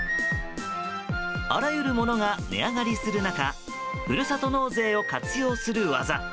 あらゆるものが値上がりする中ふるさと納税を活用する技。